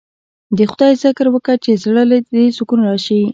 د خداى ذکر وکه چې زړه له دې سکون رايشي.